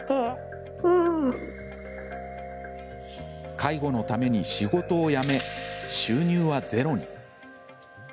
介護のために仕事を辞め収入はゼロに。